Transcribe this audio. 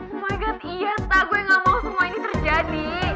oh my god iya tak gue gak mau semua ini terjadi